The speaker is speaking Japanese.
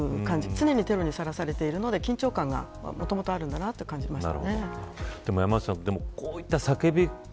常にテロにさらされているので緊張感がもともとあるんだなと感じました。